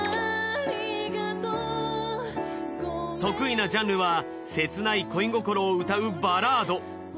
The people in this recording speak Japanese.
得意なジャンルは切ない恋心を歌うバラード。